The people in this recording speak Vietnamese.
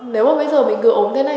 nếu mà bây giờ mình cứ ốm thế này